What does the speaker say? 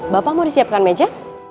bapak mau disiapkan meja